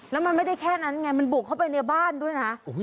แล้วมันไม่ได้แค่นั้นไงมันบุกเข้าไปในบ้านด้วยนะ